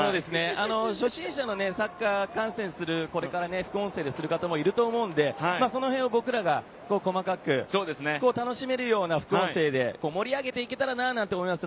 初心者のサッカー観戦する、これから副音声でする方もいると思うので、僕らが細かく楽しめるような副音声で盛り上げていけたらなと思います。